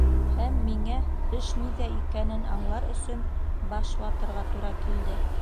Һәм миңә, эш ниҙә икәнен аңлар өсөн, баш ватырға тура килде.